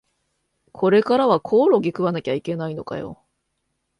これからはコオロギ食わなきゃいけないのかよ